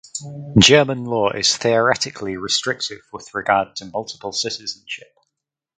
German law is theoretically restrictive with regard to multiple citizenship.